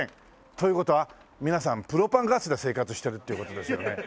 という事は皆さんプロパンガスで生活しているっていう事ですよね。